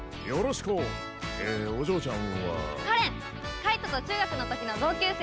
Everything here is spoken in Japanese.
介人と中学の時の同級生。